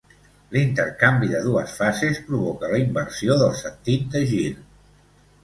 L'intercanvi de dues fases, provoca la inversió del sentit de gir.